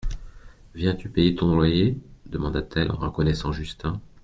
Viens-tu payer ton loyer ? demanda-t-elle en reconnaissant Justin.